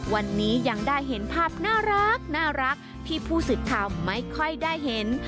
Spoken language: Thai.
วันนี้ยังได้เห็นภาพน่ารักที่ผู้สื่อข่าวไม่ค่อยได้เห็น